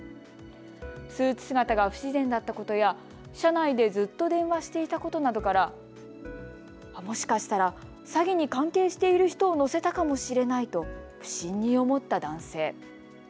スーツ姿が不自然だったことや車内でずっと電話していたことなどからもしかしたら詐欺に関係している人を乗せたかもしれないと不審に思った男性。